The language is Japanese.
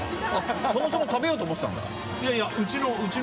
そもそも食べようと思ってたのか。